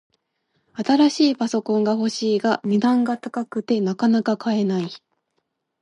新しいパソコンが欲しいが、値段が高くてなかなか買えない